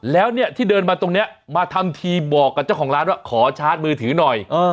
แล้วเนี่ยที่เดินมาตรงนี้มาทำทีบอกกับเจ้าของร้านว่าขอชาร์จมือถือหน่อย